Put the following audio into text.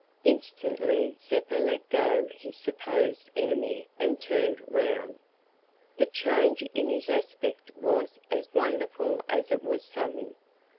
Instantly Zeppa let go his supposed enemy and turned round. The change in his aspect was as wonderful as it was sudden.